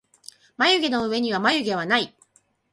まゆげのうえにはまゆげはない